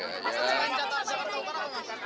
pasti akan jatuh di jakarta utara